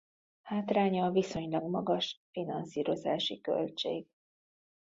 Hátránya a viszonylag magas finanszírozási költség.